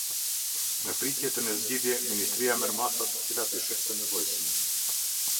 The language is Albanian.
Në pritje të një zgjidhje Ministria merr masa të cilat i sheh të nevojshme.